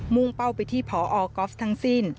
่งเป้าไปที่พอก๊อฟทั้งสิ้น